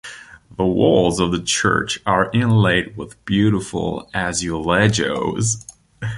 The walls of the church are inlaid with beautiful azulejos.